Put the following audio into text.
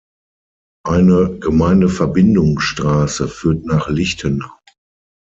Eine Gemeindeverbindungsstraße führt nach Lichtenau.